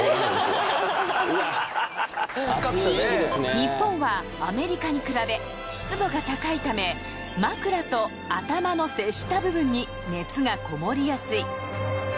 日本はアメリカに比べ湿度が高いため枕と頭の接した部分に熱がこもりやすい。